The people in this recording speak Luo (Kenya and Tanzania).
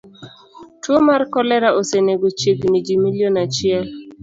Tuo mar kolera osenego chiegni ji milion achiel.